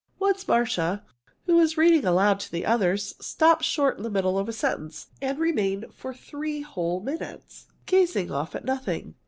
Once Marcia, who was reading aloud to the others, stopped short in the middle of a sentence, and remained for three whole minutes gazing off at nothing.